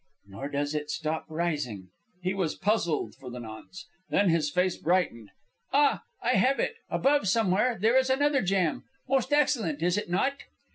"Nor does it stop rising." He was puzzled for the nonce. Then his face brightened. "Ah! I have it! Above, somewhere, there is another jam. Most excellent, is it not?"